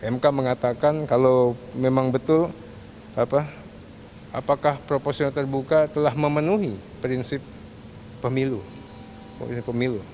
mk mengatakan kalau memang betul apakah proporsional terbuka telah memenuhi prinsip pemilu